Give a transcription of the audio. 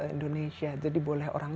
indonesia jadi boleh orang